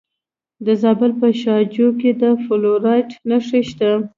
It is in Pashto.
د زابل په شاجوی کې د فلورایټ نښې شته.